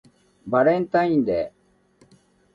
バレンタインデー